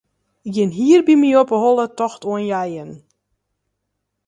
Gjin hier by my op 'e holle tocht oan jeien.